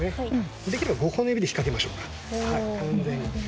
できれば５本の指でひっかけましょうか完全に。